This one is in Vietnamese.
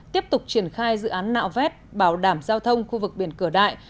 tiếp tục triển khai dự án nạo vét bảo đảm giao thông khu vực biển cửa đại